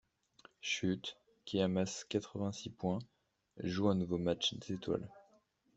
Shutt qui amasse quatre-vingt-six points joue un nouveau Match des étoiles.